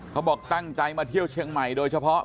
เขาบอกตั้งใจมาเที่ยวเชียงใหม่โดยเฉพาะ